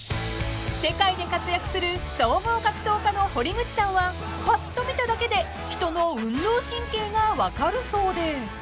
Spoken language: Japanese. ［世界で活躍する総合格闘家の堀口さんはパッと見ただけで人の運動神経が分かるそうで］